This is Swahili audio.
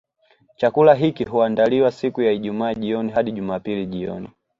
Chakula hiki huandaliwa siku ya Ijumaa jioni hadi Jumapili jioni